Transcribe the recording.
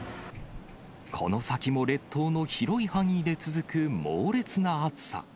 この先も列島の広い範囲で続く猛烈な暑さ。